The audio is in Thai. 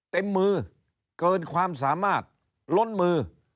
เต็มมือเกินความสามารถล้นมือ